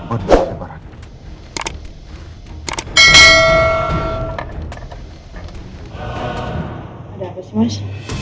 ada apa sih mas